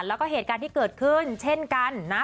แล้วก็เหตุการณ์ที่เกิดขึ้นเช่นกันนะ